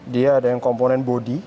dia ada yang komponen bodi